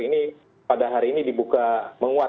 ini pada hari ini dibuka menguat